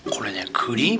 クリーム。